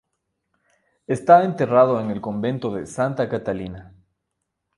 Está enterrado en el Convento de Santa Catalina.